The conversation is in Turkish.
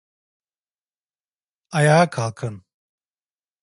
Ayağa kalkın.